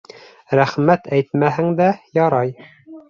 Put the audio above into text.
— Рәхмәт әйтмәһәң дә ярай.